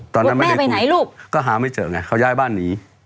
ตอนนั้นแม่ไปไหนลูกก็หาไม่เจอไงเขาย้ายบ้านหนี